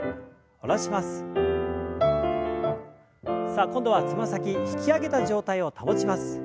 さあ今度はつま先引き上げた状態を保ちます。